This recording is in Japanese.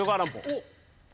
おっ！